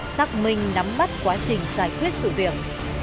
xác minh nắm mắt quá trình giải quyết sự tuyển